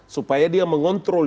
supaya dia mengontrol